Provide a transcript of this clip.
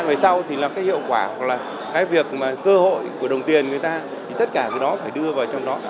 vậy sau thì hiệu quả hoặc là cơ hội của đồng tiền người ta tất cả cái đó phải đưa vào trong đó